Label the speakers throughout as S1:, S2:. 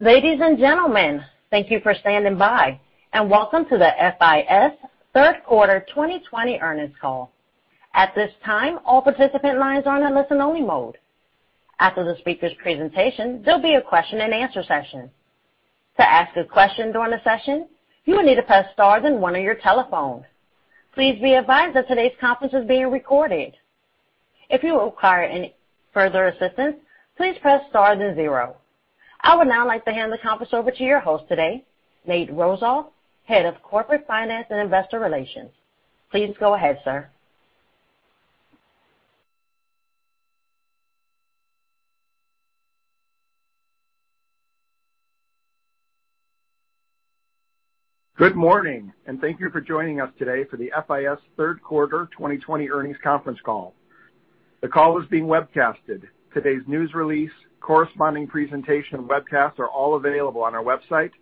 S1: Ladies and gentlemen, thank you for standing by, and welcome to the FIS third quarter 2020 earnings call. At this time, all participant lines are in listen only mode. After the speaker's presentation, there will be a Q&A session. To ask a question during the session, you will need to press star then one on your telephone. Please be advised that today's conference is being recorded. If you require any further assistance, please press star then zero. I would now like to hand the conference over to your host today, Nate Rozof, Head of Corporate Finance and Investor Relations. Please go ahead, sir.
S2: Good morning and thank you for joining us today for the FIS third quarter 2020 earnings conference call. The call is being webcasted. Today's news release, corresponding presentation, and webcast are all available on our website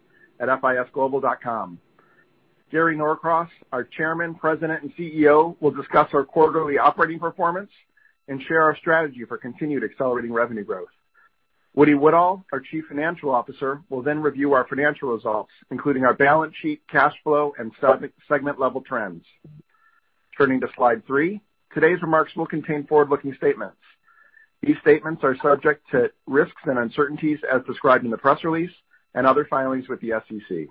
S2: at fisglobal.com. Gary Norcross, our Chairman, President, and Chief Executive Officer, will discuss our quarterly operating performance and share our strategy for continued accelerating revenue growth. Woody Woodall, our Chief Financial Officer, will then review our financial results, including our balance sheet, cash flow, and segment-level trends. Turning to Slide three. Today's remarks will contain forward-looking statements. These statements are subject to risks and uncertainties as described in the press release and other filings with the SEC.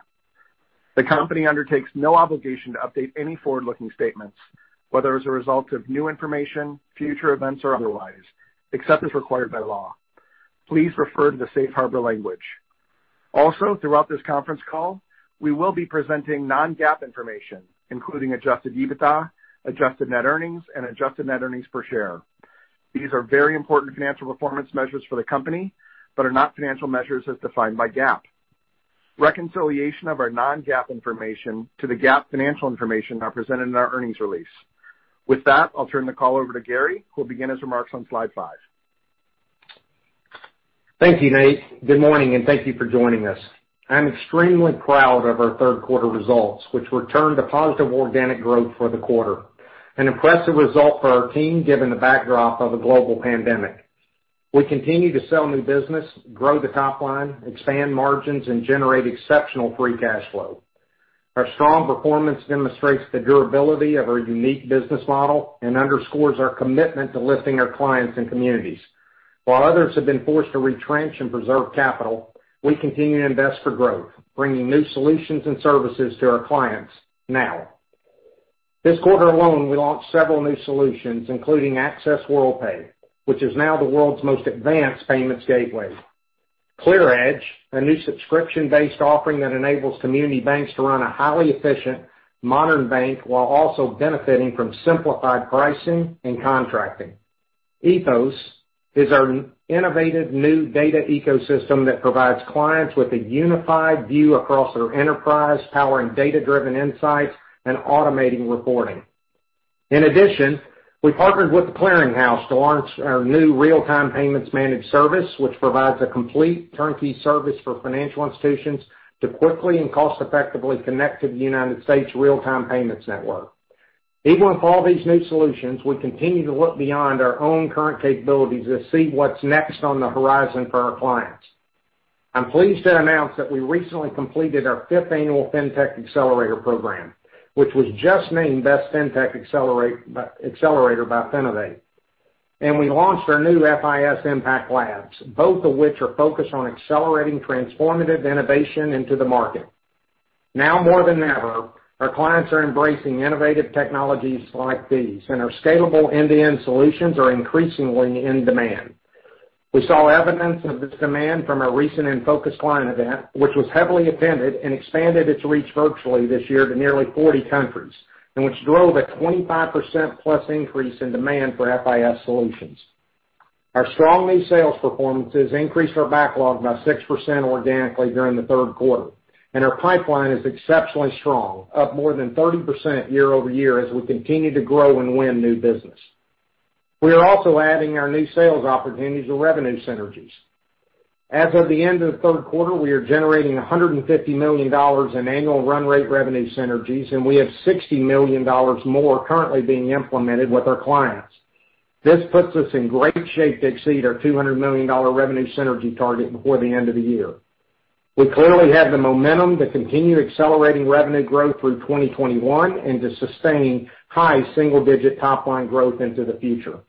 S2: The company undertakes no obligation to update any forward-looking statements, whether as a result of new information, future events, or otherwise, except as required by law. Please refer to the safe harbor language. Also, throughout this conference call, we will be presenting non-GAAP information, including adjusted EBITDA, adjusted net earnings, and adjusted net earnings per share. These are very important financial performance measures for the company but are not financial measures as defined by GAAP. Reconciliation of our non-GAAP information to the GAAP financial information are presented in our earnings release. With that, I'll turn the call over to Gary, who will begin his remarks on Slide five.
S3: Thank you, Nate. Good morning, and thank you for joining us. I'm extremely proud of our third quarter results, which returned to positive organic growth for the quarter, an impressive result for our team given the backdrop of a global pandemic. We continue to sell new business, grow the top line, expand margins, and generate exceptional free cash flow. Our strong performance demonstrates the durability of our unique business model and underscores our commitment to lifting our clients and communities. While others have been forced to retrench and preserve capital, we continue to invest for growth, bringing new solutions and services to our clients now. This quarter alone, we launched several new solutions, including Access Worldpay, which is now the world's most advanced payments gateway. ClearEdge, a new subscription-based offering that enables community banks to run a highly efficient modern bank while also benefiting from simplified pricing and contracting. Ethos is our innovative new data ecosystem that provides clients with a unified view across their enterprise, powering data-driven insights and automating reporting. In addition, we partnered with The Clearing House to launch our new real-time payments managed service, which provides a complete turnkey service for financial institutions to quickly and cost-effectively connect to the United States real-time payments network. Even with all these new solutions, we continue to look beyond our own current capabilities to see what's next on the horizon for our clients. I'm pleased to announce that we recently completed our fifth annual Fintech Accelerator program, which was just named Best Fintech Accelerator by Finovate. We launched our new FIS Impact Labs, both of which are focused on accelerating transformative innovation into the market. Now more than ever, our clients are embracing innovative technologies like these, and our scalable end-to-end solutions are increasingly in demand. We saw evidence of this demand from our recent InFocus live event, which was heavily attended and expanded its reach virtually this year to nearly 40 countries, and which drove a 25%+ increase in demand for FIS solutions. Our strong new sales performances increased our backlog by 6% organically during the third quarter, and our pipeline is exceptionally strong, up more than 30% year-over-year as we continue to grow and win new business. We are also adding our new sales opportunities to revenue synergies. As of the end of the third quarter, we are generating $150 million in annual run rate revenue synergies, and we have $60 million more currently being implemented with our clients. This puts us in great shape to exceed our $200 million revenue synergy target before the end of the year. We clearly have the momentum to continue accelerating revenue growth through 2021 and to sustain high single-digit top-line growth into the future.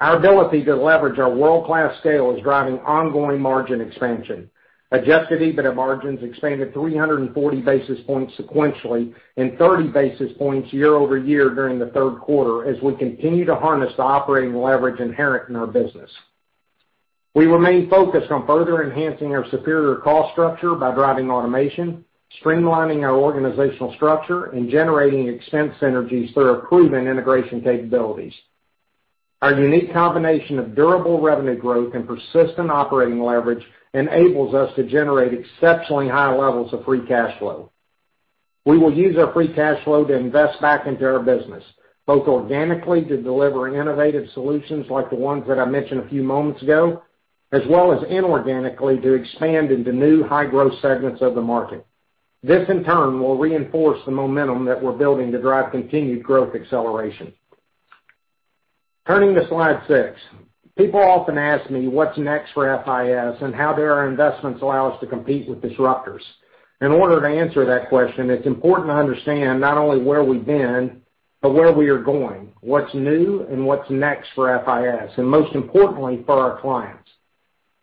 S3: Our ability to leverage our world-class scale is driving ongoing margin expansion. Adjusted EBITDA margins expanded 340 basis points sequentially and 30 basis points year-over-year during the third quarter as we continue to harness the operating leverage inherent in our business. We remain focused on further enhancing our superior cost structure by driving automation, streamlining our organizational structure, and generating expense synergies through our proven integration capabilities. Our unique combination of durable revenue growth and persistent operating leverage enables us to generate exceptionally high levels of free cash flow. We will use our free cash flow to invest back into our business, both organically to deliver innovative solutions like the ones that I mentioned a few moments ago, as well as inorganically to expand into new high-growth segments of the market. This, in turn, will reinforce the momentum that we're building to drive continued growth acceleration. Turning to Slide six. People often ask me what's next for FIS and how do our investments allow us to compete with disruptors. In order to answer that question, it's important to understand not only where we've been but where we are going, what's new, and what's next for FIS, and most importantly, for our clients.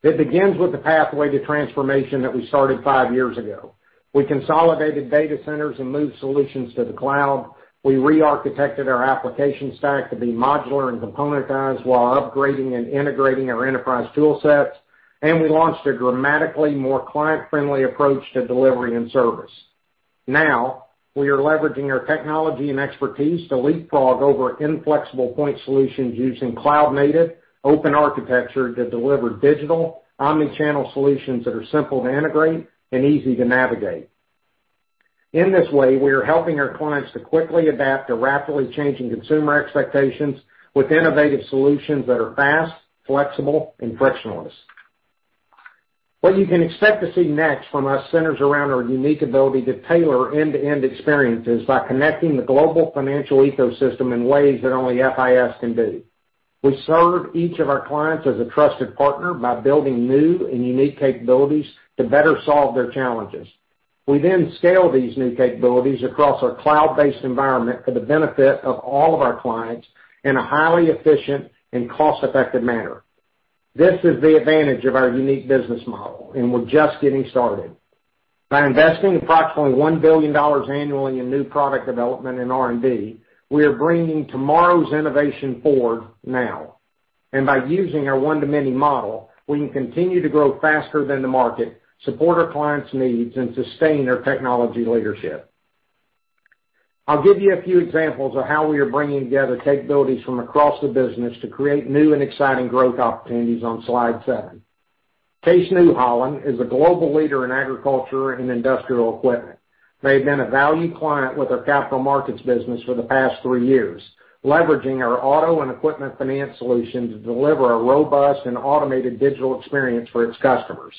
S3: It begins with the pathway to transformation that we started five years ago. We consolidated data centers and moved solutions to the cloud. We re-architected our application stack to be modular and componentized while upgrading and integrating our enterprise tool sets. We launched a dramatically more client-friendly approach to delivery and service. Now we are leveraging our technology and expertise to leapfrog over inflexible point solutions using cloud-native, open architecture to deliver digital omni-channel solutions that are simple to integrate and easy to navigate. In this way, we are helping our clients to quickly adapt to rapidly changing consumer expectations with innovative solutions that are fast, flexible, and frictionless. What you can expect to see next from us centers around our unique ability to tailor end-to-end experiences by connecting the global financial ecosystem in ways that only FIS can do. We serve each of our clients as a trusted partner by building new and unique capabilities to better solve their challenges. We then scale these new capabilities across our cloud-based environment for the benefit of all of our clients in a highly efficient and cost-effective manner. This is the advantage of our unique business model. We're just getting started. By investing approximately $1 billion annually in new product development and R&D, we are bringing tomorrow's innovation forward now. By using our one-to-many model, we can continue to grow faster than the market, support our clients' needs, and sustain our technology leadership. I'll give you a few examples of how we are bringing together capabilities from across the business to create new and exciting growth opportunities on Slide seven. Case New Holland is a global leader in agriculture and industrial equipment. They've been a valued client with our Capital Markets business for the past 3 years, leveraging our auto and equipment finance solution to deliver a robust and automated digital experience for its customers.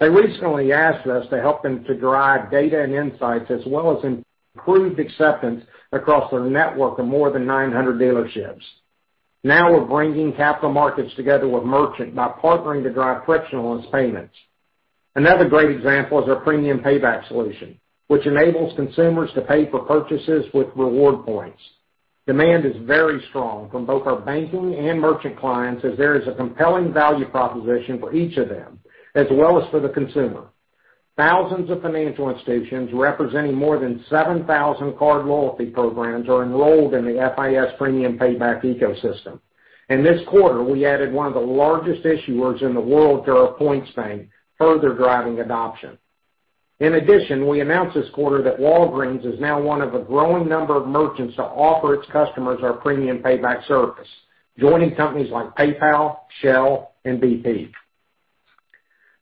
S3: They recently asked us to help them to derive data and insights as well as improved acceptance across their network of more than 900 dealerships. Now we're bringing Capital Markets together with Merchant by partnering to drive frictionless payments. Another great example is our Premium Payback solution, which enables consumers to pay for purchases with reward points. Demand is very strong from both our Banking and Merchant clients as there is a compelling value proposition for each of them, as well as for the consumer. Thousands of financial institutions representing more than 7,000 card loyalty programs are enrolled in the FIS Premium Payback ecosystem. In this quarter, we added one of the largest issuers in the world to our [points plan], further driving adoption. In addition, we announced this quarter that Walgreens is now one of a growing number of merchants to offer its customers our Premium Payback service, joining companies like PayPal, Shell, and BP.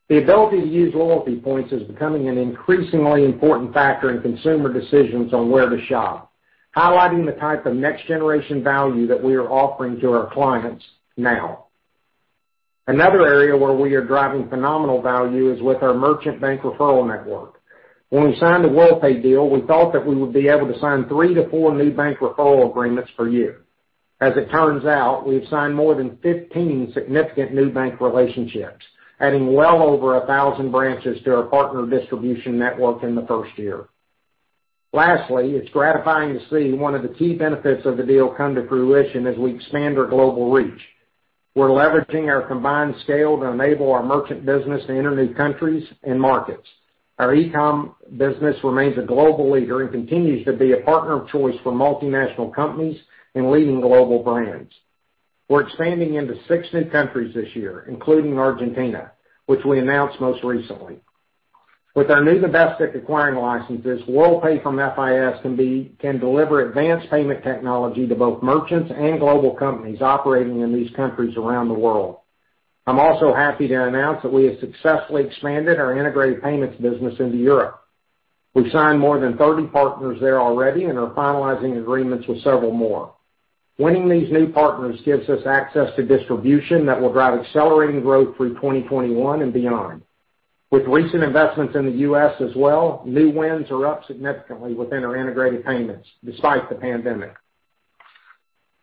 S3: The ability to use loyalty points is becoming an increasingly important factor in consumer decisions on where to shop, highlighting the type of next-generation value that we are offering to our clients now. Another area where we are driving phenomenal value is with our Merchant bank referral network. When we signed the Worldpay deal, we thought that we would be able to sign three to four new bank referral agreements per year. As it turns out, we've signed more than 15 significant new bank relationships, adding well over 1,000 branches to our partner distribution network in the first year. Lastly, it's gratifying to see one of the key benefits of the deal come to fruition as we expand our global reach. We're leveraging our combined scale to enable our Merchant business to enter new countries and markets. Our e-com business remains a global leader and continues to be a partner of choice for multinational companies and leading global brands. We're expanding into six new countries this year, including Argentina, which we announced most recently. With our new domestic acquiring licenses, Worldpay from FIS can deliver advanced payment technology to both Merchants and global companies operating in these countries around the world. I'm also happy to announce that we have successfully expanded our integrated payments business into Europe. We've signed more than 30 partners there already and are finalizing agreements with several more. Winning these new partners gives us access to distribution that will drive accelerating growth through 2021 and beyond. With recent investments in the U.S. as well, new wins are up significantly within our integrated payments despite the pandemic.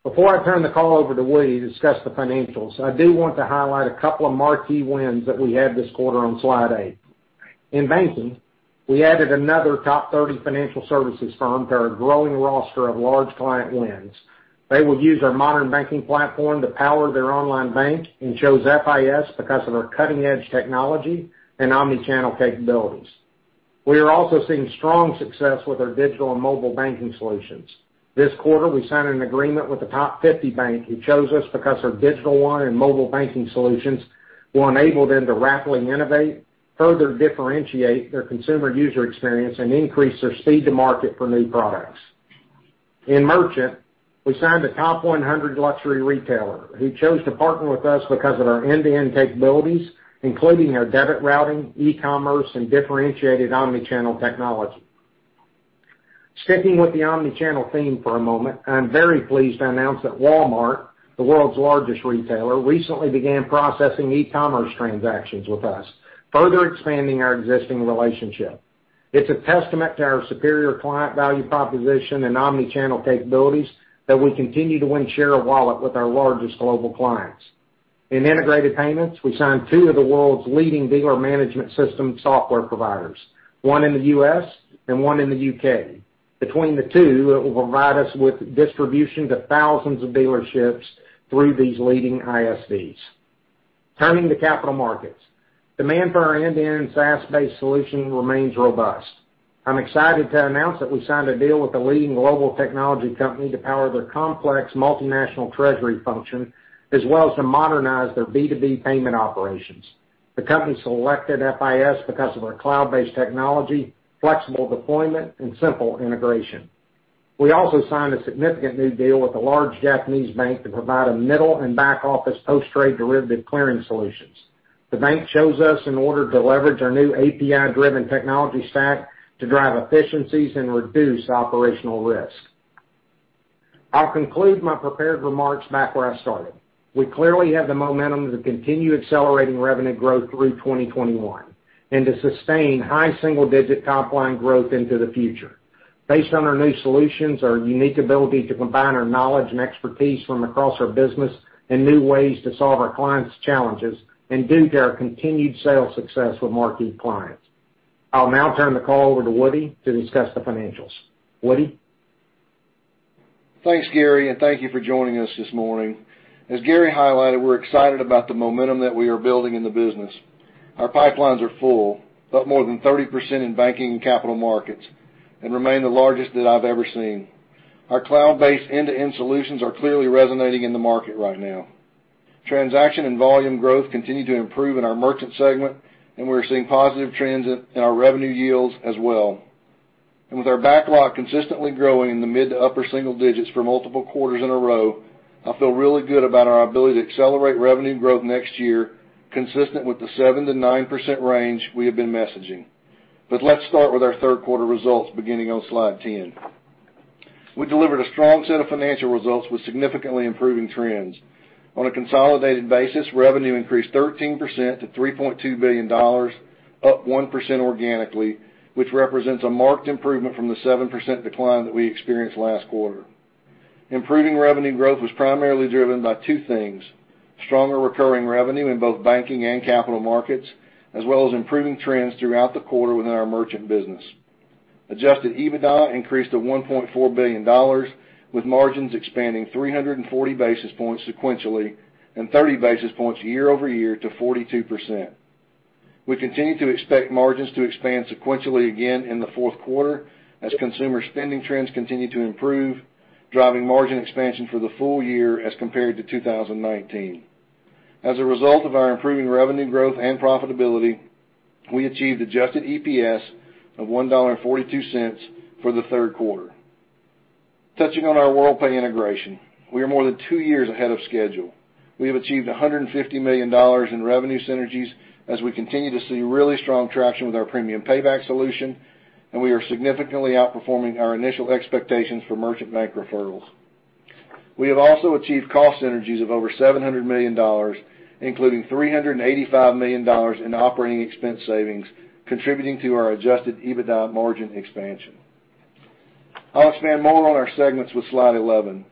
S3: Before I turn the call over to Woody to discuss the financials, I do want to highlight a couple of marquee wins that we had this quarter on Slide eight. In Banking, we added another top 30 financial services firm to our growing roster of large client wins. They will use our Modern Banking Platform to power their online bank and chose FIS because of our cutting-edge technology and omni-channel capabilities. We are also seeing strong success with our digital and mobile Banking Solutions. This quarter, we signed an agreement with a top 50 bank who chose us because our Digital One and mobile Banking solutions will enable them to rapidly innovate, further differentiate their consumer user experience, and increase their speed to market for new products. In Merchant, we signed a top 100 luxury retailer who chose to partner with us because of our end-to-end capabilities, including our debit routing, e-commerce, and differentiated omni-channel technology. Sticking with the omni-channel theme for a moment, I'm very pleased to announce that Walmart, the world's largest retailer, recently began processing e-commerce transactions with us, further expanding our existing relationship. It's a testament to our superior client value proposition and omni-channel capabilities that we continue to win share-of-wallet with our largest global clients. In integrated payments, we signed two of the world's leading dealer management system software providers, one in the U.S. and one in the U.K. Between the two, it will provide us with distribution to thousands of dealerships through these leading ISVs. Turning to Capital Markets, demand for our end-to-end SaaS-based solution remains robust. I'm excited to announce that we signed a deal with a leading global technology company to power their complex multinational treasury function, as well as to modernize their B2B payment operations. The company selected FIS because of our cloud-based technology, flexible deployment, and simple integration. We also signed a significant new deal with a large Japanese bank to provide a middle- and back-office post-trade derivative clearing solutions. The bank chose us in order to leverage our new API-driven technology stack to drive efficiencies and reduce operational risk. I'll conclude my prepared remarks back where I started. We clearly have the momentum to continue accelerating revenue growth through 2021, and to sustain high single-digit top-line growth into the future based on our new solutions, our unique ability to combine our knowledge and expertise from across our business, and new ways to solve our clients' challenges, and due to our continued sales success with marquee clients. I'll now turn the call over to Woody to discuss the financials. Woody?
S4: Thanks, Gary. Thank you for joining us this morning. As Gary highlighted, we're excited about the momentum that we are building in the business. Our pipelines are full, up more than 30% in Banking and Capital Markets, and remain the largest that I've ever seen. Our cloud-based end-to-end solutions are clearly resonating in the market right now. Transaction and volume growth continue to improve in our Merchant segment, and we're seeing positive trends in our revenue yields as well. With our backlog consistently growing in the mid to upper single digits for multiple quarters in a row, I feel really good about our ability to accelerate revenue growth next year, consistent with the 7%-9% range we have been messaging. Let's start with our third quarter results beginning on Slide 10. We delivered a strong set of financial results with significantly improving trends. On a consolidated basis, revenue increased 13% to $3.2 billion, up 1% organically, which represents a marked improvement from the 7% decline that we experienced last quarter. Improving revenue growth was primarily driven by two things: stronger recurring revenue in both Banking and Capital Markets, as well as improving trends throughout the quarter within our Merchant business. Adjusted EBITDA increased to $1.4 billion, with margins expanding 340 basis points sequentially and 30 basis points year-over-year to 42%. We continue to expect margins to expand sequentially again in the fourth quarter as consumer spending trends continue to improve, driving margin expansion for the full year as compared to 2019. As a result of our improving revenue growth and profitability, we achieved adjusted EPS of $1.42 for the third quarter. Touching on our Worldpay integration, we are more than two years ahead of schedule. We have achieved $150 million in revenue synergies as we continue to see really strong traction with our Premium Payback solution, and we are significantly outperforming our initial expectations for merchant bank referrals. We have also achieved cost synergies of over $700 million, including $385 million in operating expense savings, contributing to our adjusted EBITDA margin expansion. I'll expand more on our segments with Slide eleven.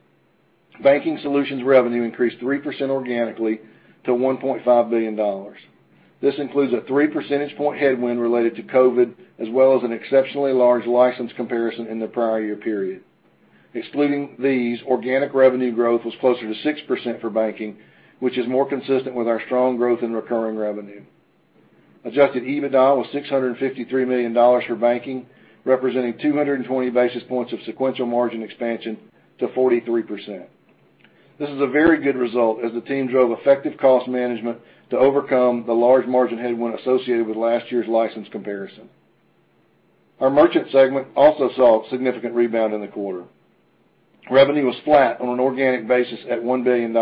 S4: Banking Solutions revenue increased 3% organically to $1.5 billion. This includes a 3 percentage point headwind related to COVID, as well as an exceptionally large license comparison in the prior year period. Excluding these, organic revenue growth was closer to 6% for Banking, which is more consistent with our strong growth in recurring revenue. Adjusted EBITDA was $653 million for Banking, representing 220 basis points of sequential margin expansion to 43%. This is a very good result as the team drove effective cost management to overcome the large margin headwind associated with last year's license comparison. Our Merchant segment also saw a significant rebound in the quarter. Revenue was flat on an an organic basis at $1 billion.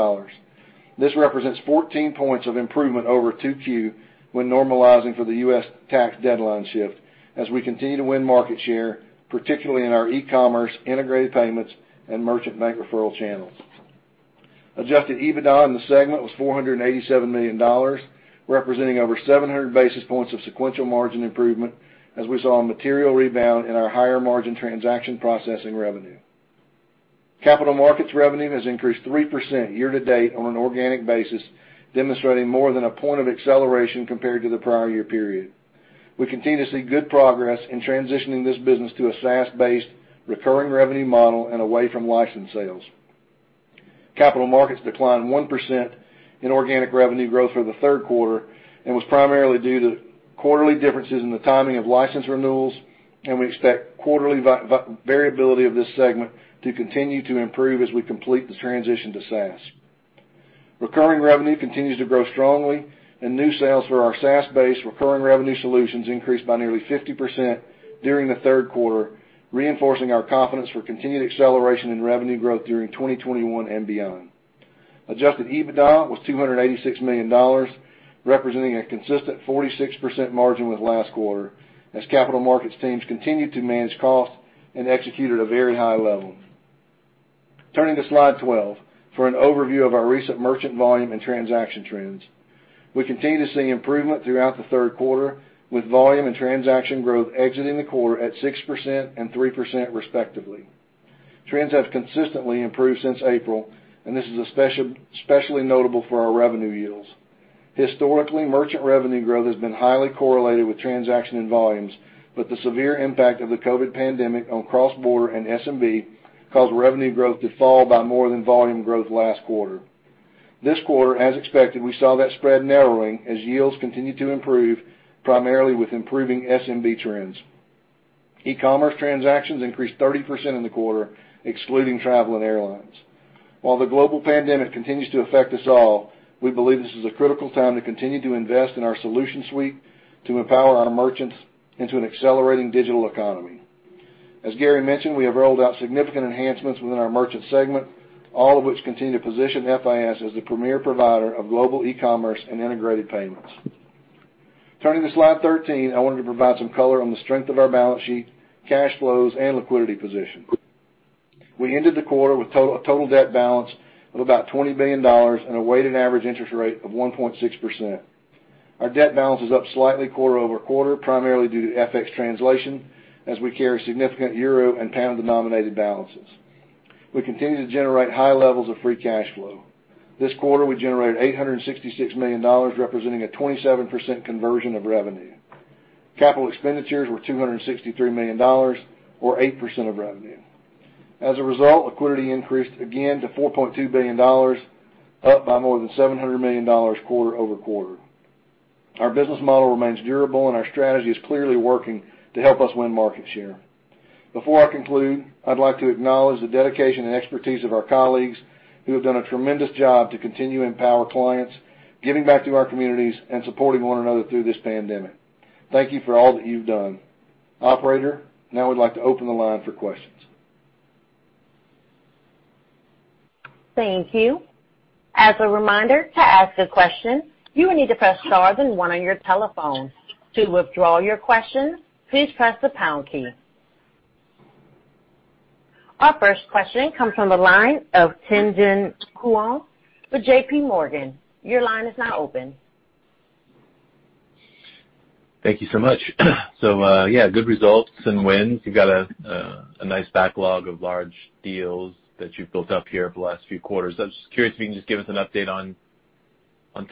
S4: This represents 14 points of improvement over 2Q when normalizing for the U.S. tax deadline shift as we continue to win market share, particularly in our e-commerce integrated payments and merchant bank referral channels. Adjusted EBITDA in the segment was $487 million, representing over 700 basis points of sequential margin improvement as we saw a material rebound in our higher margin transaction processing revenue. Capital Markets revenue has increased 3% year to date on an organic basis, demonstrating more than 1 point of acceleration compared to the prior year period. We continue to see good progress in transitioning this business to a SaaS-based recurring revenue model and away from license sales. Capital Markets declined 1% in organic revenue growth for the third quarter and was primarily due to quarterly differences in the timing of license renewals, and we expect quarterly variability of this segment to continue to improve as we complete the transition to SaaS. Recurring revenue continues to grow strongly and new sales for our SaaS-based recurring revenue solutions increased by nearly 50% during the third quarter, reinforcing our confidence for continued acceleration in revenue growth during 2021 and beyond. Adjusted EBITDA was $286 million, representing a consistent 46% margin with last quarter as Capital Markets teams continued to manage costs and execute at a very high level. Turning to Slide 12 for an overview of our recent Merchant volume and transaction trends. We continue to see improvement throughout the third quarter, with volume and transaction growth exiting the quarter at 6% and 3% respectively. Trends have consistently improved since April, and this is especially notable for our revenue yields. Historically, Merchant revenue growth has been highly correlated with transaction and volumes, but the severe impact of the COVID pandemic on cross-border and SMB caused revenue growth to fall by more than volume growth last quarter. This quarter, as expected, we saw that spread narrowing as yields continued to improve, primarily with improving SMB trends. e-commerce transactions increased 30% in the quarter, excluding travel and airlines. While the global pandemic continues to affect us all, we believe this is a critical time to continue to invest in our solution suite to empower our merchants into an accelerating digital economy. As Gary mentioned, we have rolled out significant enhancements within our Merchant segment, all of which continue to position FIS as the premier provider of global e-commerce and integrated payments. Turning to Slide 13, I wanted to provide some color on the strength of our balance sheet, cash flows, and liquidity position. We ended the quarter with a total debt balance of about $20 billion and a weighted average interest rate of 1.6%. Our debt balance is up slightly quarter-over-quarter, primarily due to FX translation, as we carry significant euro and pound-denominated balances. We continue to generate high levels of free cash flow. This quarter, we generated $866 million, representing a 27% conversion of revenue. Capital expenditures were $263 million or 8% of revenue. As a result, liquidity increased again to $4.2 billion, up by more than $700 million quarter-over-quarter. Our business model remains durable, and our strategy is clearly working to help us win market share. Before I conclude, I'd like to acknowledge the dedication and expertise of our colleagues who have done a tremendous job to continue to empower clients, giving back to our communities, and supporting one another through this pandemic. Thank you for all that you've done. Operator, now we'd like to open the line for questions.
S1: Thank you. As a reminder, to ask a question, you will need to press star then one on your telephone. To withdraw your question, please press the pound key. Our first question comes from the line of Tien-Tsin Huang with JPMorgan. Your line is now open.
S5: Thank you so much. Yeah, good results and wins. You've got a nice backlog of large deals that you've built up here over the last few quarters. I was just curious if you can just give us an update on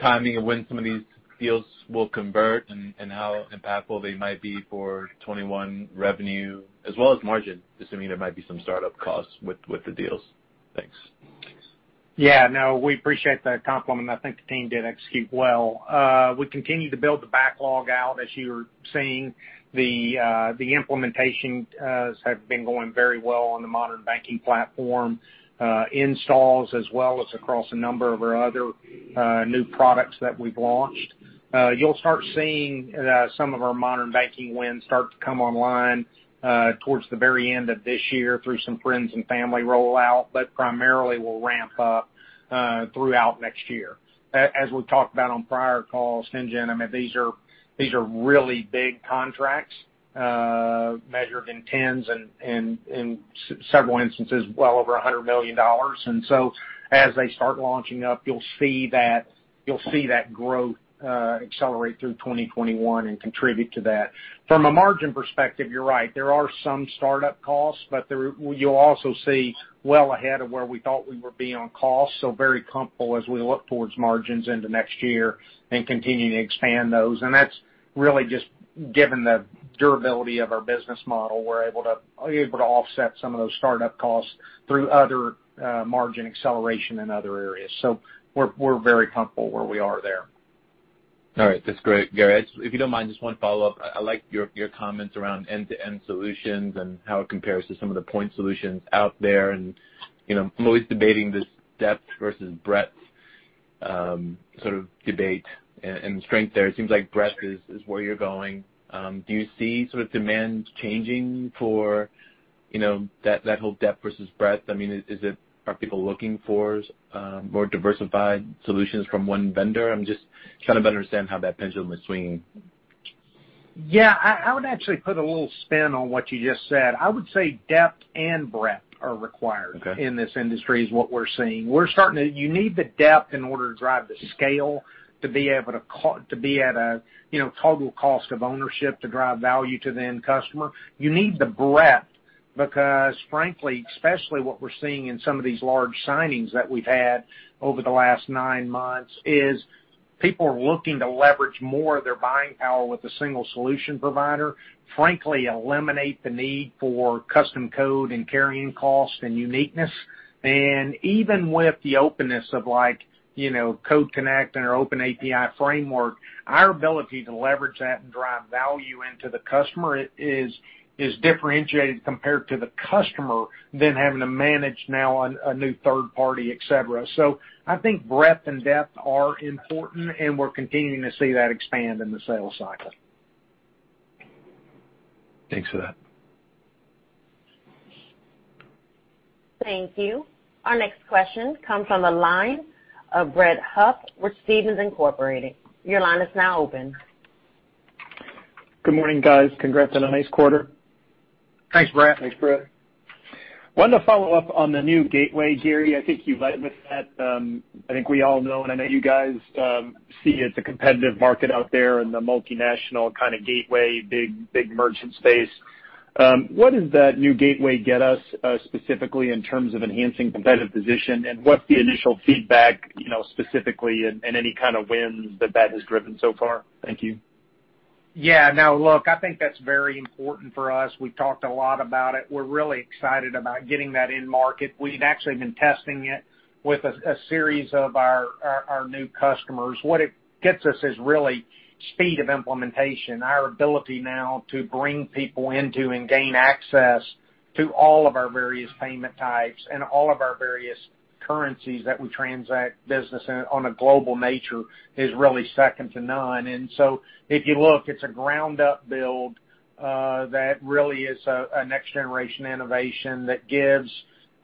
S5: timing of when some of these deals will convert and how impactful they might be for 2021 revenue as well as margin, assuming there might be some startup costs with the deals. Thanks.
S3: Yeah, no, we appreciate that compliment. I think the team did execute well. We continue to build the backlog out. As you're seeing, the implementations have been going very well on the Modern Banking Platform installs as well as across a number of our other new products that we've launched. You'll start seeing some of our modern Banking wins start to come online towards the very end of this year through some friends and family rollout, but primarily will ramp up throughout next year. As we've talked about on prior calls, Tien-Tsin, these are really big contracts measured in tens and, in several instances, well over $100 million. As they start launching up, you'll see that growth accelerate through 2021 and contribute to that. From a margin perspective, you're right. There are some startup costs. You'll also see well ahead of where we thought we would be on cost. Very comfortable as we look towards margins into next year and continuing to expand those. That's really just given the durability of our business model. We're able to offset some of those startup costs through other margin acceleration in other areas. We're very comfortable where we are there.
S5: All right. That's great, Gary. If you don't mind, just one follow-up. I like your comments around end-to-end solutions and how it compares to some of the point solutions out there. I'm always debating this depth versus breadth sort of debate and strength there. It seems like breadth is where you're going. Do you see demand changing for that whole depth versus breadth? Are people looking for more diversified solutions from one vendor? I'm just trying to understand how that pendulum is swinging.
S3: Yeah. I would actually put a little spin on what you just said. I would say depth and breadth are required in this industry is what we're seeing. You need the depth in order to drive the scale to be at a total cost of ownership to drive value to the end customer. You need the breadth because frankly, especially what we're seeing in some of these large signings that we've had over the last nine months, is people are looking to leverage more of their buying power with a single solution provider. Frankly, eliminate the need for custom code and carrying costs and uniqueness. Even with the openness of Code Connect and our Open API framework, our ability to leverage that and drive value into the customer is differentiated compared to the customer then having to manage now a new third party, et cetera. I think breadth and depth are important, and we're continuing to see that expand in the sales cycle.
S5: Thanks for that.
S1: Thank you. Our next question comes from the line of Brett Huff with Stephens Inc, your line is now open.
S6: Good morning, guys. Congrats on a nice quarter.
S3: Thanks, Brett.
S4: Thanks, Brett.
S6: Wanted to follow up on the new gateway, Gary. I think you led with that. I think we all know, and I know you guys see it's a competitive market out there in the multinational kind of gateway, big merchant space. What does that new gateway get us specifically in terms of enhancing competitive position? What's the initial feedback, specifically, and any kind of wins that that has driven so far? Thank you.
S3: Yeah. Now, look, I think that's very important for us. We've talked a lot about it. We're really excited about getting that in market. We've actually been testing it with a series of our new customers. What it gets us is really speed of implementation. Our ability now to bring people into and gain access to all of our various payment types and all of our various currencies that we transact business in on a global nature is really second to none. If you look, it's a ground-up build, that really is a next-generation innovation that gives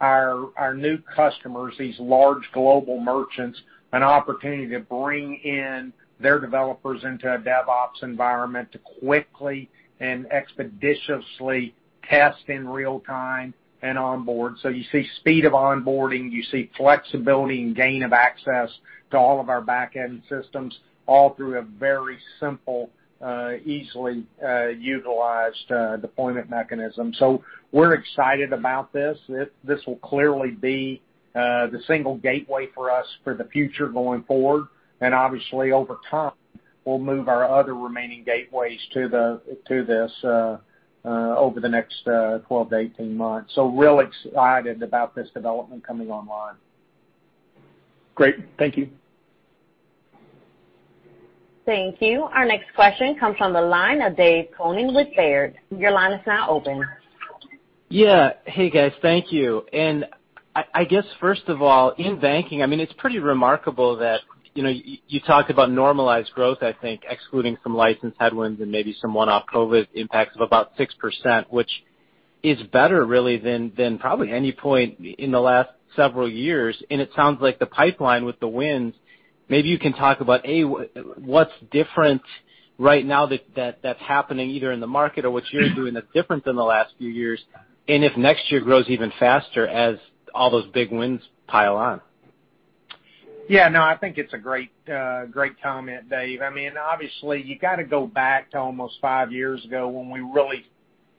S3: our new customers, these large global merchants, an opportunity to bring in their developers into a DevOps environment to quickly and expeditiously test in real time and onboard. You see speed of onboarding, you see flexibility and gain of access to all of our back-end systems, all through a very simple, easily utilized deployment mechanism. We're excited about this. This will clearly be the single gateway for us for the future going forward. Obviously, over time, we'll move our other remaining gateways to this over the next 12-18 months. Real excited about this development coming online.
S6: Great. Thank you.
S1: Thank you. Our next question comes from the line of Dave Koning with Baird. Your line is now open.
S7: Yeah. Hey, guys. Thank you. I guess first of all, in Banking, it's pretty remarkable that you talked about normalized growth, I think excluding some license headwinds and maybe some one-off COVID impacts of about 6%, which is better really than probably any point in the last several years. It sounds like the pipeline with the winds, maybe you can talk about, A, what's different right now that's happening either in the market or what you're doing that's different than the last few years? If next year grows even faster as all those big wins pile on.
S3: Yeah, no, I think it's a great comment, Dave. Obviously, you got to go back to almost five years ago when we really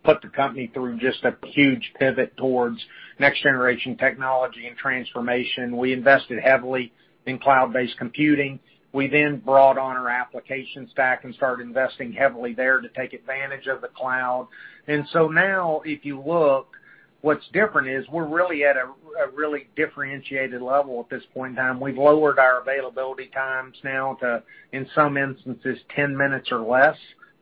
S3: put the company through just a huge pivot towards next-generation technology and transformation. We invested heavily in cloud-based computing. We then brought on our applications back and started investing heavily there to take advantage of the cloud. Now if you look, what's different is we're really at a really differentiated level at this point in time. We've lowered our availability times now to, in some instances, 10 minutes or less,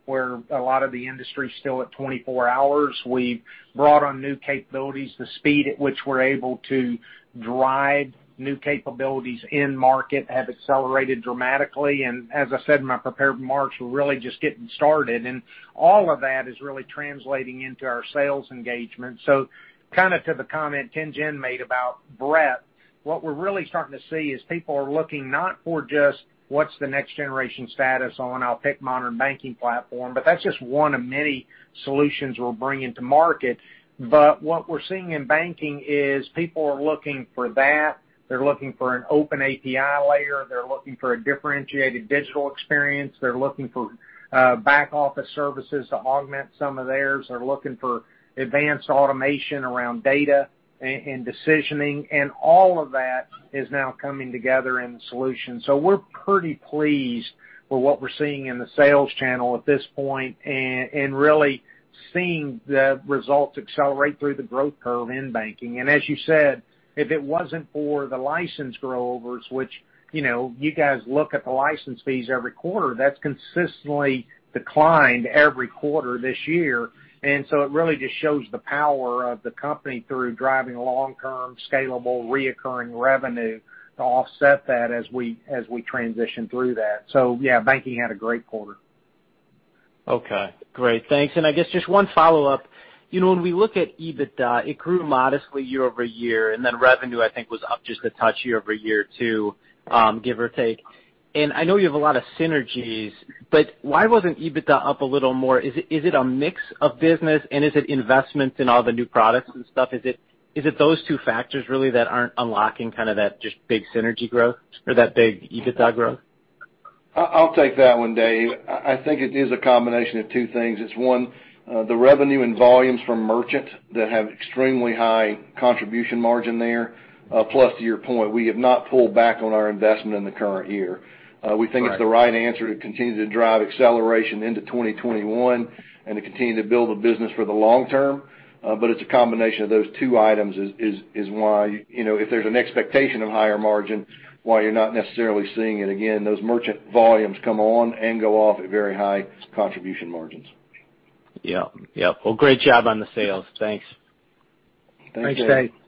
S3: where a lot of the industry is still at 24 hours. We've brought on new capabilities. The speed at which we're able to drive new capabilities in market have accelerated dramatically. As I said in my prepared remarks, we're really just getting started. All of that is really translating into our sales engagement. To the comment Tien-Tsin made about breadth, what we're really starting to see is people are looking not for just what's the next generation status on, I'll pick Modern Banking Platform, but that's just one of many solutions we're bringing to market. What we're seeing in Banking is people are looking for that. They're looking for an open API layer. They're looking for a differentiated digital experience. They're looking for back-office services to augment some of theirs. They're looking for advanced automation around data and decisioning, and all of that is now coming together in the solution. We're pretty pleased with what we're seeing in the sales channel at this point and really seeing the results accelerate through the growth curve in Banking. As you said, if it wasn't for the license grow-overs, which you guys look at the license fees every quarter, that's consistently declined every quarter this year. It really just shows the power of the company through driving long-term, scalable, recurring revenue to offset that as we transition through that. Yeah, Banking had a great quarter.
S7: Okay, great. Thanks. I guess just one follow-up. When we look at EBITDA, it grew modestly year-over-year, and then revenue, I think, was up just a touch year-over-year too, give or take. I know you have a lot of synergies, but why wasn't EBITDA up a little more? Is it a mix of business, and is it investments in all the new products and stuff? Is it those two factors really that aren't unlocking kind of that just big synergy growth or that big EBITDA growth?
S4: I'll take that one, Dave. I think it is a combination of two things. It's one, the revenue and volumes from merchant that have extremely high contribution margin there. Plus, to your point, we have not pulled back on our investment in the current year. We think it's the right answer to continue to drive acceleration into 2021 and to continue to build the business for the long term. It's a combination of those two items is why, if there's an expectation of higher margin, why you're not necessarily seeing it again. Those merchant volumes come on and go off at very high contribution margins.
S7: Yep. Great job on the sales. Thanks.
S3: Thanks, Dave.
S4: Thanks, Dave.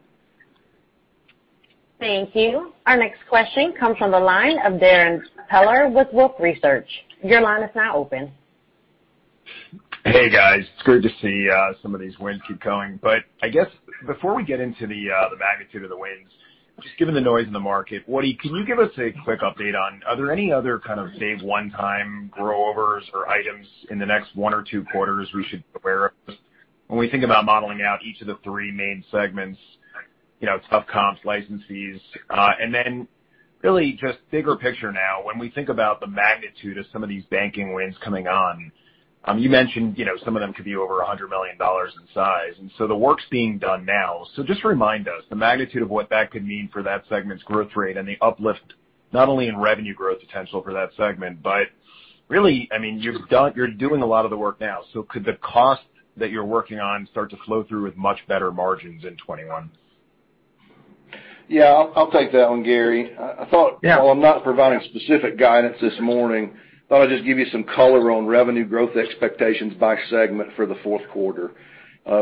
S1: Thank you. Our next question comes from the line of Darrin Peller with Wolfe Research. Your line is now open.
S8: Hey, guys. It's good to see some of these wins keep going. I guess before we get into the magnitude of the wins. Just given the noise in the market, Woody, can you give us a quick update on, are there any other kind of, say, one-time grow overs or items in the next one or two quarters we should be aware of when we think about modeling out each of the three main segments, tough comps, licensees. Really just bigger picture now, when we think about the magnitude of some of these Banking wins coming on, you mentioned some of them could be over $100 million in size, and so the work's being done now. Just remind us the magnitude of what that could mean for that segment's growth rate and the uplift, not only in revenue growth potential for that segment, but really, you're doing a lot of the work now, so could the cost that you're working on start to flow through with much better margins in 2021?
S4: Yeah, I'll take that one, Gary. While I'm not providing specific guidance this morning, I thought I'd just give you some color on revenue growth expectations by segment for the fourth quarter.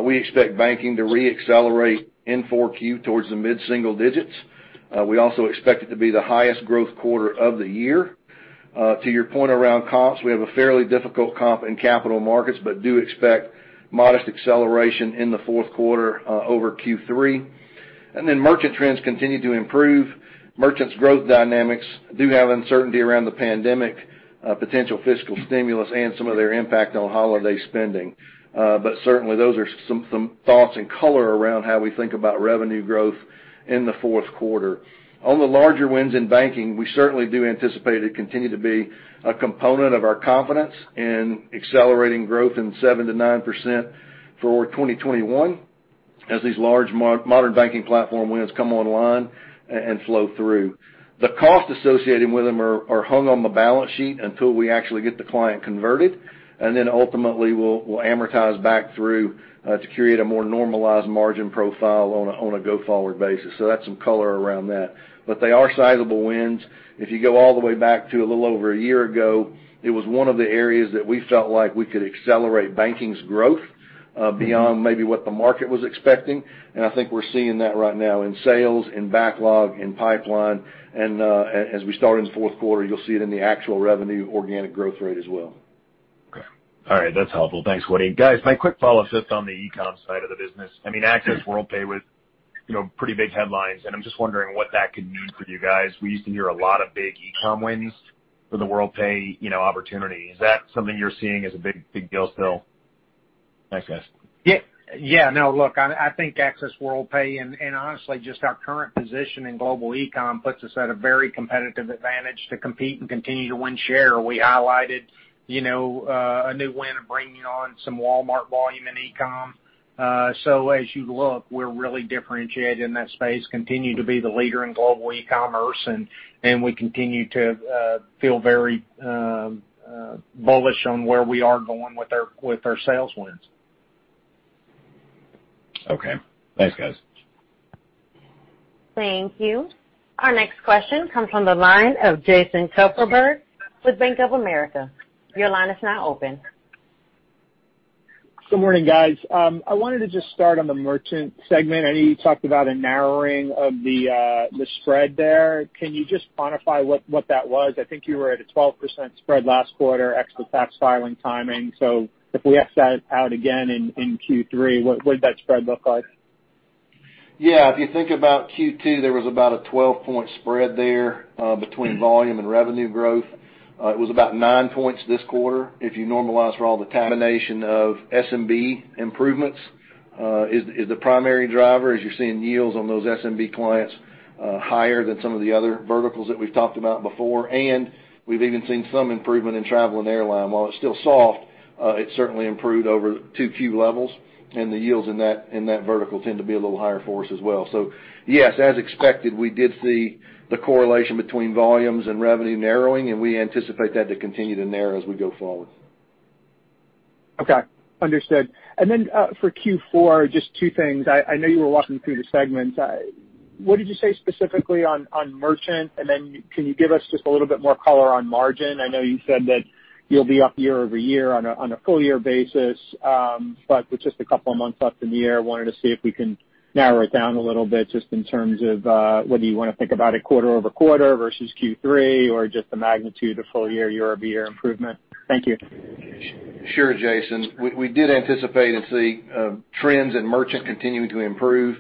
S4: We expect Banking to re-accelerate in 4Q towards the mid-single digits. We also expect it to be the highest growth quarter of the year. To your point around comps, we have a fairly difficult comp in Capital Markets, but do expect modest acceleration in the fourth quarter over Q3. Merchant trends continue to improve. Merchants growth dynamics do have uncertainty around the pandemic, potential fiscal stimulus, and some of their impact on holiday spending. Certainly those are some thoughts and color around how we think about revenue growth in the fourth quarter. On the larger wins in Banking, we certainly do anticipate it continue to be a component of our confidence in accelerating growth in 7%-9% for 2021, as these large Modern Banking Platform wins come online and flow through. The cost associated with them are hung on the balance sheet until we actually get the client converted, and then ultimately, will amortize back through, to create a more normalized margin profile on a go-forward basis. That's some color around that. They are sizable wins. If you go all the way back to a little over a year ago, it was one of the areas that we felt like we could accelerate Banking's growth, beyond maybe what the market was expecting. I think we're seeing that right now in sales, in backlog, in pipeline, and as we start into fourth quarter, you'll see it in the actual revenue organic growth rate as well.
S8: Okay. All right. That's helpful. Thanks, Woody. Guys, my quick follow-up just on the e-com side of the business. Access Worldpay with pretty big headlines, and I'm just wondering what that could mean for you guys. We used to hear a lot of big e-com wins for the Worldpay opportunity. Is that something you're seeing as a big deal still? Thanks, guys.
S3: I think Access Worldpay, and honestly just our current position in global e-com puts us at a very competitive advantage to compete and continue to win share. We highlighted a new win of bringing on some Walmart volume in e-com. As you look, we're really differentiated in that space, continue to be the leader in global e-commerce, and we continue to feel very bullish on where we are going with our sales wins.
S8: Okay. Thanks, guys.
S1: Thank you. Our next question comes from the line of Jason Kupferberg with Bank of America. Your line is now open.
S9: Good morning, guys. I wanted to just start on the Merchant segment. I know you talked about a narrowing of the spread there. Can you just quantify what that was? I think you were at a 12% spread last quarter, extra tax filing timing. If we X that out again in Q3, what would that spread look like?
S4: Yeah. If you think about Q2, there was about a 12-point spread there between volume and revenue growth. It was about nine points this quarter if you normalize for all the combination of SMB improvements, is the primary driver, as you're seeing yields on those SMB clients, higher than some of the other verticals that we've talked about before. We've even seen some improvement in travel and airline. While it's still soft, it certainly improved over 2Q levels, and the yields in that vertical tend to be a little higher for us as well. Yes, as expected, we did see the correlation between volumes and revenue narrowing, and we anticipate that to continue to narrow as we go forward.
S9: Okay. Understood. Then, for Q4, just two things. I know you were walking through the segments. What did you say specifically on Merchant, then can you give us just a little bit more color on margin? I know you said that you'll be up year-over-year on a full year basis. With just a couple of months left in the year, I wanted to see if we can narrow it down a little bit, just in terms of whether you want to think about it quarter-over-quarter versus Q3 or just the magnitude of full year-over-year improvement. Thank you.
S4: Sure, Jason. We did anticipate and see trends in Merchant continuing to improve.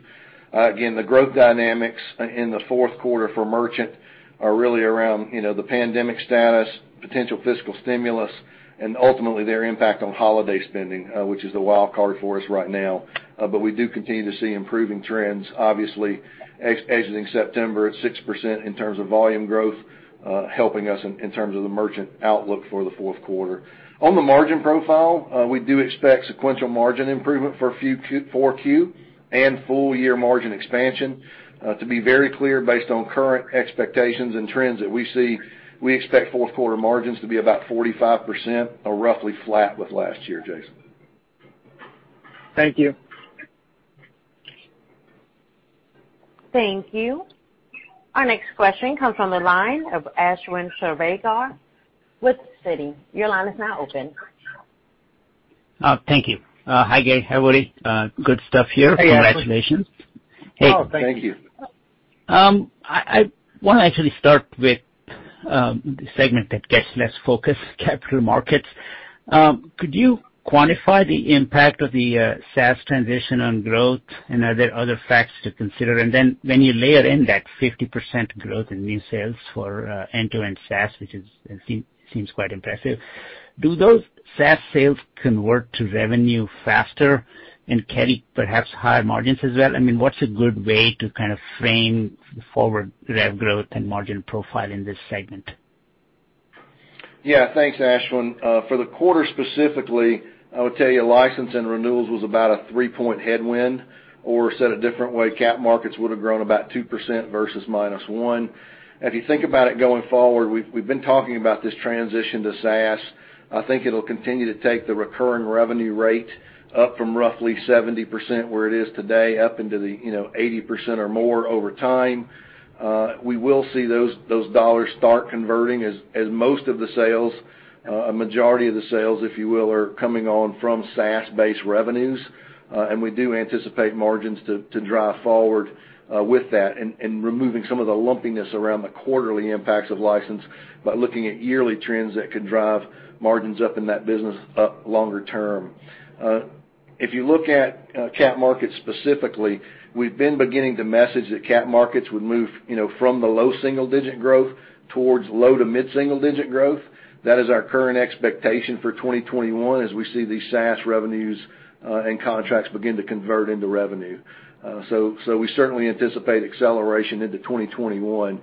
S4: The growth dynamics in the fourth quarter for Merchant are really around the pandemic status, potential fiscal stimulus, and ultimately their impact on holiday spending, which is the wild card for us right now. We do continue to see improving trends, obviously, as in September, at 6% in terms of volume growth, helping us in terms of the Merchant outlook for the fourth quarter. On the margin profile, we do expect sequential margin improvement for 4Q and full year margin expansion. To be very clear, based on current expectations and trends that we see, we expect fourth quarter margins to be about 45%, or roughly flat with last year, Jason.
S9: Thank you.
S1: Thank you. Our next question comes from the line of Ashwin Shirvaikar with Citi.
S10: Oh, thank you. Hi, Gary. Hey, Woody. Good stuff here.
S4: Hey, Ashwin.
S10: Congratulations.
S4: Thank you.
S3: Thank you.
S10: I want to actually start with the segment that gets less focus, Capital Markets. Could you quantify the impact of the SaaS transition on growth, and are there other facts to consider? When you layer in that 50% growth in new sales for end-to-end SaaS, which seems quite impressive, do those SaaS sales convert to revenue faster and carry perhaps higher margins as well? What's a good way to kind of frame the forward rev growth and margin profile in this segment?
S4: Thanks, Ashwin. For the quarter specifically, I would tell you license and renewals was about a three point headwind, or said a different way, Capital Markets would've grown about 2% versus -1%. If you think about it going forward, we've been talking about this transition to SaaS. I think it'll continue to take the recurring revenue rate up from roughly 70%, where it is today, up into the 80% or more over time. We will see those dollars start converting as most of the sales, a majority of the sales, if you will, are coming on from SaaS-based revenues. We do anticipate margins to drive forward with that and removing some of the lumpiness around the quarterly impacts of license by looking at yearly trends that could drive margins up in that business up longer term. If you look at Capital Markets specifically, we've been beginning to message that Capital Markets would move from the low single-digit growth towards low to mid single-digit growth. That is our current expectation for 2021 as we see these SaaS revenues and contracts begin to convert into revenue. We certainly anticipate acceleration into 2021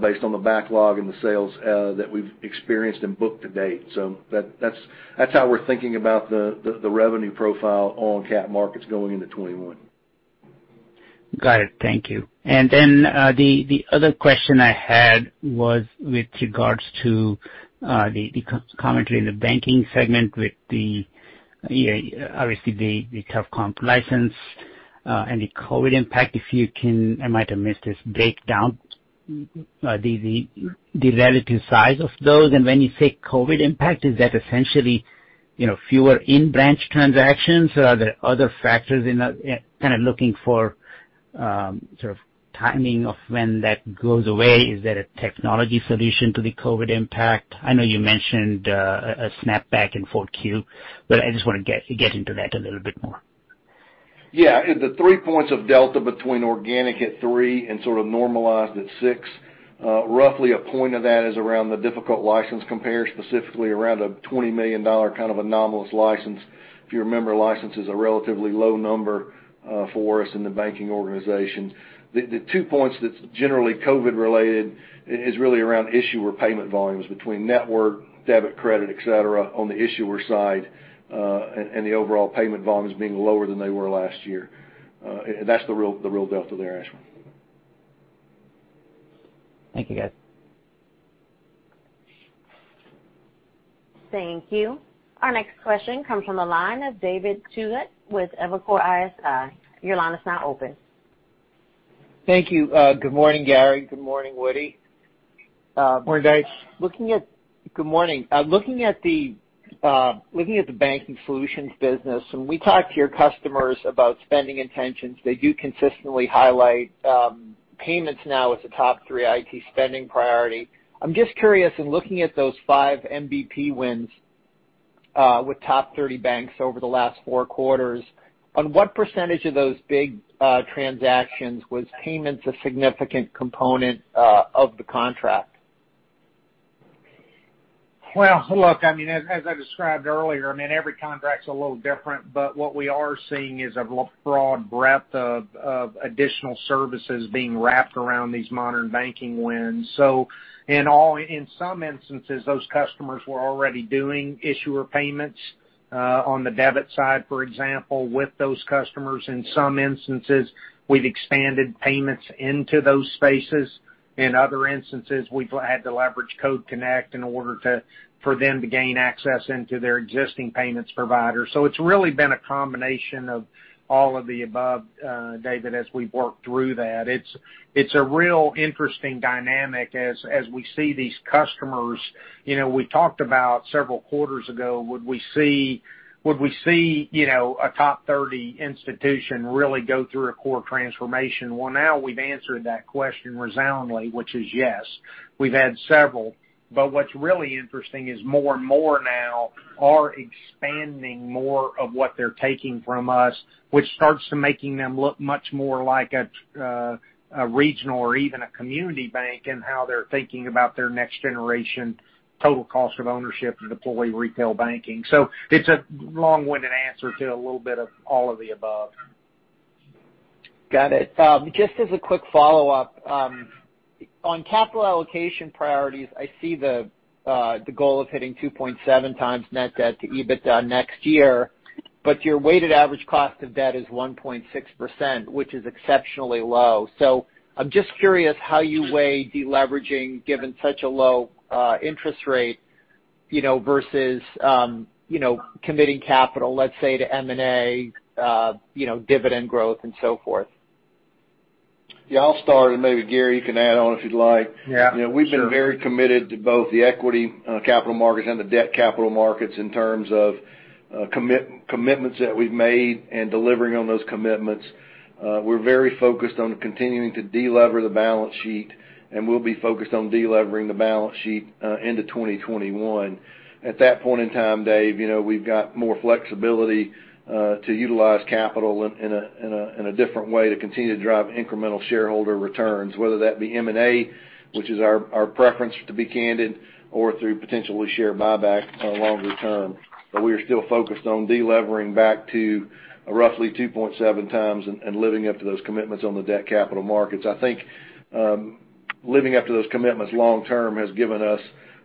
S4: based on the backlog and the sales that we've experienced and booked to date. That's how we're thinking about the revenue profile on Capital Markets going into 2021.
S10: Got it. Thank you. The other question I had was with regards to the commentary in the Banking segment with the, obviously, the tough comp license, and the COVID impact. If you can, I might have missed this, break down the relative size of those. When you say COVID impact, is that essentially fewer in-branch transactions? Are there other factors in that? Kind of looking for sort of timing of when that goes away. Is there a technology solution to the COVID impact? I know you mentioned a snap back in 4Q, I just want to get into that a little bit more.
S4: Yeah. The three points of delta between organic at three and sort of normalized at six, roughly a point of that is around the difficult license compares specifically around a $20 million kind of anomalous license. If you remember, license is a relatively low number for us in the Banking organization. The two points that is generally COVID related is really around issuer payment volumes between network, debit, credit, et cetera, on the issuer side, and the overall payment volumes being lower than they were last year. That is the real delta there, Ashwin.
S10: Thank you, guys.
S1: Thank you. Our next question comes from the line of David Togut with Evercore ISI. Your line is now open.
S11: Thank you. Good morning, Gary. Good morning, Woody.
S4: Morning, Dave.
S11: Good morning. Looking at the Banking Solutions business, when we talk to your customers about spending intentions, they do consistently highlight payments now as a top 3 IT spending priority. I'm just curious, in looking at those five MBP wins with top 30 banks over the last four quarters, on what percentage of those big transactions was payments a significant component of the contract?
S3: Look, as I described earlier, every contract's a little different. What we are seeing is a broad breadth of additional services being wrapped around these modern Banking wins. In some instances, those customers were already doing issuer payments on the debit side, for example, with those customers. In some instances, we've expanded payments into those spaces. In other instances, we've had to leverage Code Connect in order for them to gain access into their existing payments provider. It's really been a combination of all of the above, David, as we've worked through that. It's a real interesting dynamic as we see these customers. We talked about several quarters ago, would we see a top 30 institution really go through a core transformation? Now we've answered that question resoundly, which is yes. We've had several. What's really interesting is more and more now are expanding more of what they're taking from us, which starts to making them look much more like a regional or even a community bank in how they're thinking about their next generation total cost of ownership to deploy retail Banking. It's a long-winded answer to a little bit of all of the above.
S11: Got it. Just as a quick follow-up. On capital allocation priorities, I see the goal of hitting 2.7x net debt to EBITDA next year, but your weighted average cost of debt is 1.6%, which is exceptionally low. I'm just curious how you weigh de-leveraging given such a low interest rate versus committing capital, let's say, to M&A, dividend growth, and so forth.
S4: Yeah, I'll start and maybe, Gary, you can add on if you'd like.
S3: Yeah, sure.
S4: We've been very committed to both the equity capital markets and the debt capital markets in terms of commitments that we've made and delivering on those commitments. We're very focused on continuing to de-lever the balance sheet, and we'll be focused on de-levering the balance sheet into 2021. At that point in time, Dave, we've got more flexibility to utilize capital in a different way to continue to drive incremental shareholder returns, whether that be M&A, which is our preference, to be candid, or through potentially share buyback longer-term. We are still focused on de-levering back to roughly 2.7x and living up to those commitments on the debt capital markets. I think living up to those commitments long term has given us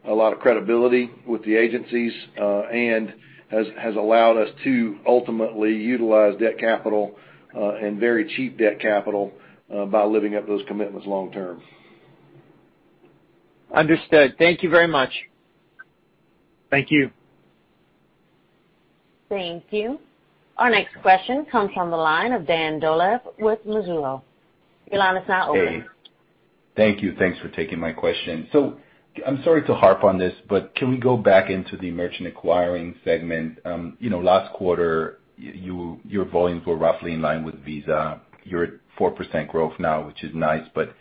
S4: a lot of credibility with the agencies, and has allowed us to ultimately utilize debt capital and very cheap debt capital by living up those commitments long term.
S11: Understood. Thank you very much.
S3: Thank you.
S1: Thank you. Our next question comes from the line of Dan Dolev with Mizuho.
S12: Hey. Thank you. Thanks for taking my question. I'm sorry to harp on this, but can we go back into the Merchant acquiring segment? Last quarter, your volumes were roughly in line with Visa. You're at 4% growth now, which is nice, but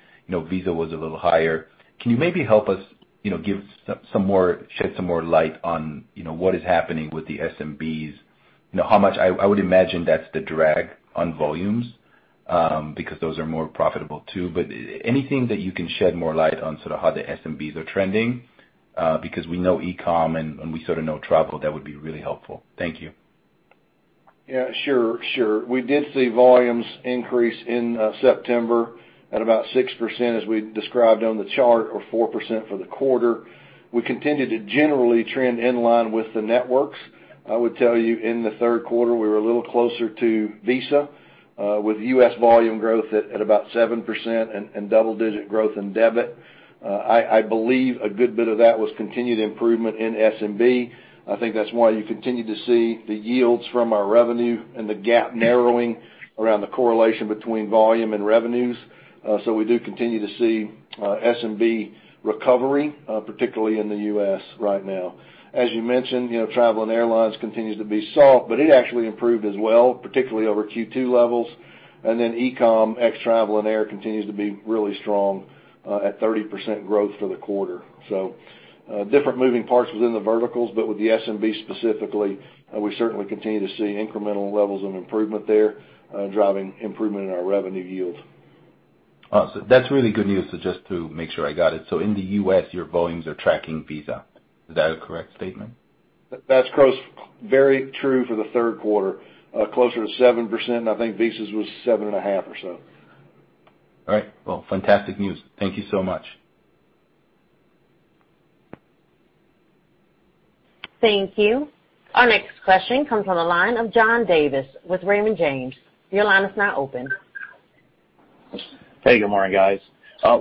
S12: Visa was a little higher. Can you maybe help us shed some more light on what is happening with the SMBs? I would imagine that's the drag on volumes, because those are more profitable too, but anything that you can shed more light on how the SMBs are trending, because we know e-com and we sort of know travel, that would be really helpful. Thank you.
S4: Yeah, sure. We did see volumes increase in September at about 6%, as we described on the chart, or 4% for the quarter. We continued to generally trend in line with the networks. I would tell you in the third quarter, we were a little closer to Visa, with U.S. volume growth at about 7% and double-digit growth in debit. I believe a good bit of that was continued improvement in SMB. I think that's why you continue to see the yields from our revenue and the gap narrowing around the correlation between volume and revenues. We do continue to see SMB recovery, particularly in the U.S. right now. As you mentioned, travel and airlines continues to be soft, but it actually improved as well, particularly over Q2 levels. E-com, ex travel and air continues to be really strong at 30% growth for the quarter. Different moving parts within the verticals, but with the SMB specifically, we certainly continue to see incremental levels of improvement there, driving improvement in our revenue yield.
S12: Awesome. That's really good news. Just to make sure I got it. In the U.S., your volumes are tracking Visa. Is that a correct statement?
S4: That's very true for the third quarter. Closer to 7%, and I think Visa's was 7.5% or so.
S12: All right. Well, fantastic news. Thank you so much.
S1: Thank you. Our next question comes on the line of John Davis with Raymond James. Your line is now open.
S13: Hey, good morning, guys.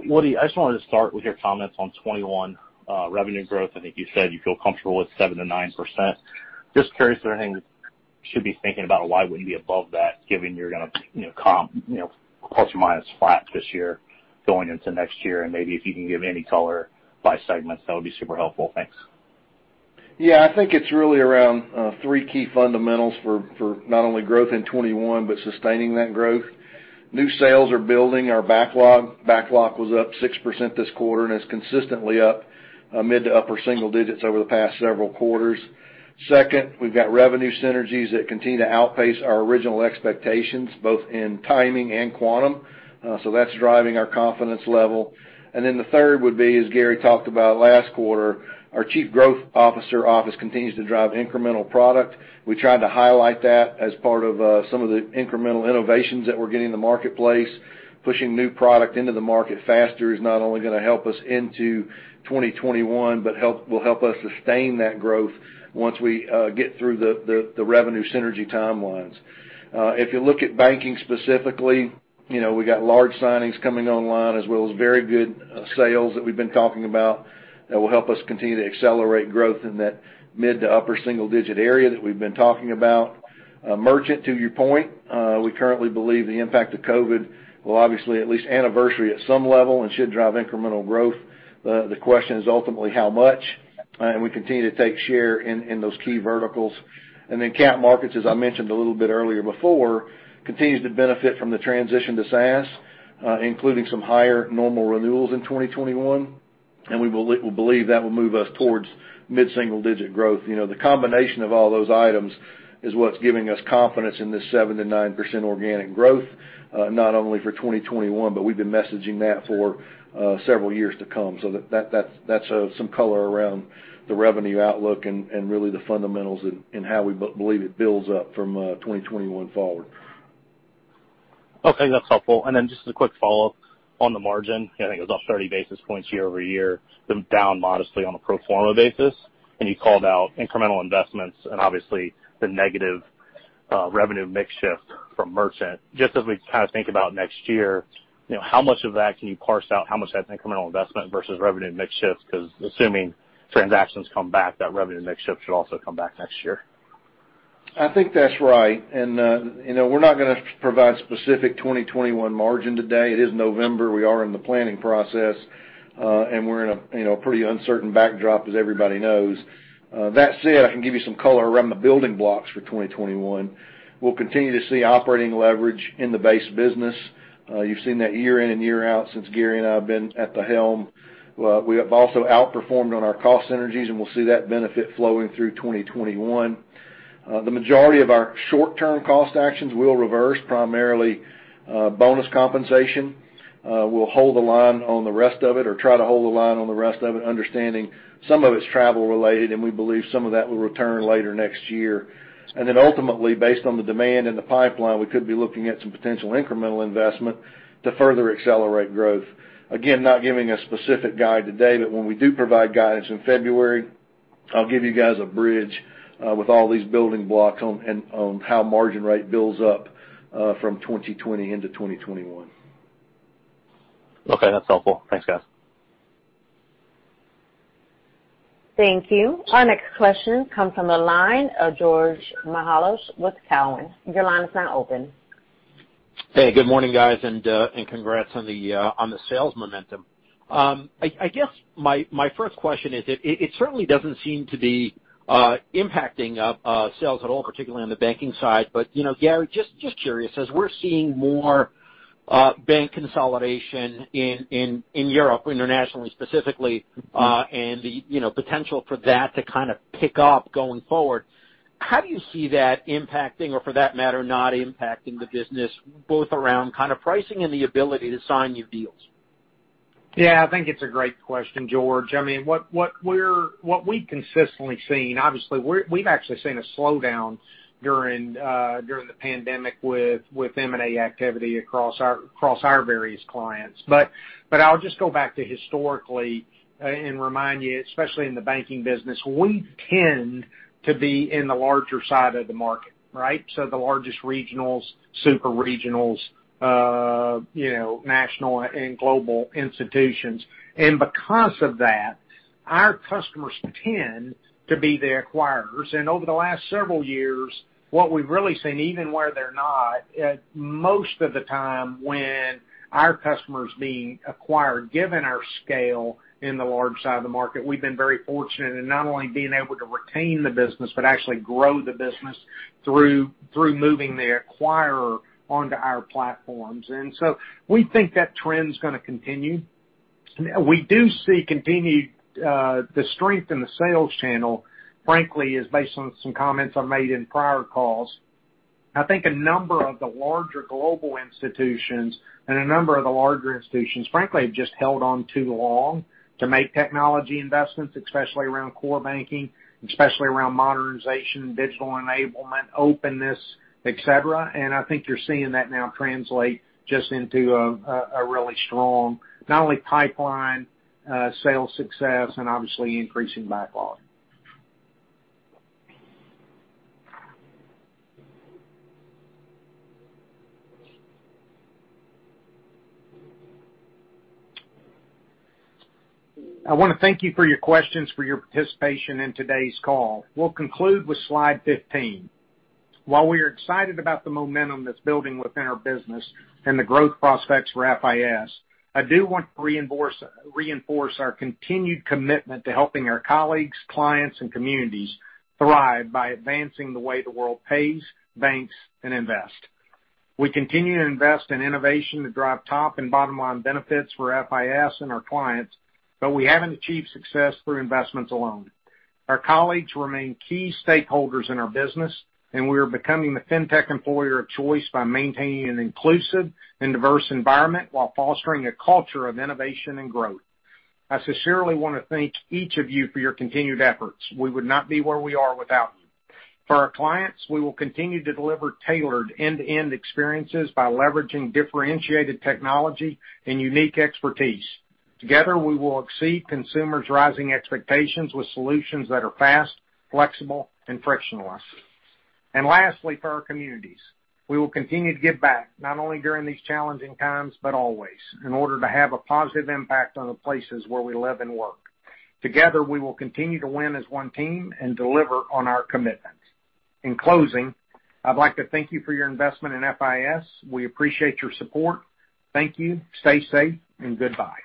S13: Woody, I just wanted to start with your comments on 2021 revenue growth. I think you said you feel comfortable with 7%-9%. Just curious if there anything we should be thinking about why wouldn't you be above that, given you're going to comp ± flat this year going into next year? Maybe if you can give any color by segments, that would be super helpful. Thanks.
S4: Yeah, I think it's really around three key fundamentals for not only growth in 2021 but sustaining that growth. New sales are building our backlog. Backlog was up 6% this quarter, and it's consistently up mid to upper single digits over the past several quarters. Second, we've got revenue synergies that continue to outpace our original expectations, both in timing and quantum. That's driving our confidence level. The third would be, as Gary talked about last quarter, our chief growth officer office continues to drive incremental product. We tried to highlight that as part of some of the incremental innovations that we're getting in the marketplace. Pushing new product into the market faster is not only going to help us into 2021, but will help us sustain that growth once we get through the revenue synergy timelines. If you look at Banking specifically, we got large signings coming online as well as very good sales that we've been talking about that will help us continue to accelerate growth in that mid to upper single digit area that we've been talking about. Merchant, to your point, we currently believe the impact of COVID will obviously at least anniversary at some level and should drive incremental growth. The question is ultimately how much. We continue to take share in those key verticals. Cap markets, as I mentioned a little bit earlier before, continues to benefit from the transition to SaaS, including some higher normal renewals in 2021. We believe that will move us towards mid-single digit growth. The combination of all those items is what's giving us confidence in this 7%-9% organic growth, not only for 2021, but we've been messaging that for several years to come. That's some color around the revenue outlook and really the fundamentals in how we believe it builds up from 2021 forward.
S13: Okay, that's helpful. Just as a quick follow-up on the margin, I think it was off 30 basis points year-over-year, been down modestly on a pro forma basis, and you called out incremental investments and obviously the negative revenue mix shift from Merchant. Just as we kind of think about next year, how much of that can you parse out how much of that's incremental investment versus revenue mix shift? Assuming transactions come back, that revenue mix shift should also come back next year.
S4: I think that's right. We're not going to provide specific 2021 margin today. It is November. We are in the planning process, and we're in a pretty uncertain backdrop, as everybody knows. That said, I can give you some color around the building blocks for 2021. We'll continue to see operating leverage in the base business. You've seen that year in and year out since Gary and I have been at the helm. We have also outperformed on our cost synergies, and we'll see that benefit flowing through 2021. The majority of our short-term cost actions will reverse, primarily bonus compensation. We'll hold the line on the rest of it, or try to hold the line on the rest of it, understanding some of it's travel related, and we believe some of that will return later next year. Ultimately, based on the demand in the pipeline, we could be looking at some potential incremental investment to further accelerate growth. Again, not giving a specific guide today, but when we do provide guidance in February, I'll give you guys a bridge with all these building blocks on how margin rate builds up from 2020 into 2021.
S13: Okay, that's helpful. Thanks, guys.
S1: Thank you. Our next question comes from the line of George Mihalos with Cowen. Your line is now open.
S14: Hey, good morning, guys, and congrats on the sales momentum. I guess my first question is, it certainly doesn't seem to be impacting sales at all, particularly on the Banking side. Gary, just curious, as we're seeing more bank consolidation in Europe, internationally, specifically, and the potential for that to kind of pick up going forward, how do you see that impacting or for that matter, not impacting the business, both around pricing and the ability to sign new deals?
S3: Yeah, I think it's a great question, George. What we've consistently seen, obviously, we've actually seen a slowdown during the pandemic with M&A activity across our various clients. I'll just go back to historically and remind you, especially in the Banking business, we tend to be in the larger side of the market, right? The largest regionals, super regionals, national and global institutions. Because of that, our customers tend to be the acquirers. Over the last several years, what we've really seen, even where they're not, most of the time when our customers being acquired, given our scale in the large side of the market, we've been very fortunate in not only being able to retain the business, but actually grow the business through moving the acquirer onto our platforms. We think that trend's going to continue. We do see continued, the strength in the sales channel, frankly, is based on some comments I made in prior calls. I think a number of the larger global institutions and a number of the larger institutions, frankly, have just held on too long to make technology investments, especially around core Banking, especially around modernization, digital enablement, openness, et cetera. I think you're seeing that now translate just into a really strong, not only pipeline sales success and obviously increasing backlog. I want to thank you for your questions, for your participation in today's call. We'll conclude with Slide 15. While we are excited about the momentum that's building within our business and the growth prospects for FIS, I do want to reinforce our continued commitment to helping our colleagues, clients, and communities thrive by advancing the way the world pays, banks, and invest. We continue to invest in innovation to drive top and bottom-line benefits for FIS and our clients, but we haven't achieved success through investments alone. Our colleagues remain key stakeholders in our business, and we are becoming the fintech employer of choice by maintaining an inclusive and diverse environment while fostering a culture of innovation and growth. I sincerely want to thank each of you for your continued efforts. We would not be where we are without you. For our clients, we will continue to deliver tailored end-to-end experiences by leveraging differentiated technology and unique expertise. Together, we will exceed consumers' rising expectations with solutions that are fast, flexible, and frictionless. Lastly, for our communities, we will continue to give back not only during these challenging times, but always in order to have a positive impact on the places where we live and work. Together, we will continue to win as one team and deliver on our commitments. In closing, I'd like to thank you for your investment in FIS. We appreciate your support. Thank you. Stay safe, and goodbye.